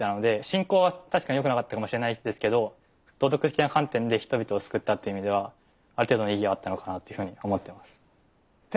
侵攻は確かによくなかったかもしれないですけど道徳的な観点で人々を救ったっていう意味ではある程度の意義はあったのかなっていうふうに思ってます。